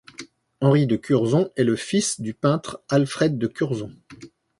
Henri de Curzon est le fils du peintre Alfred de Curzon.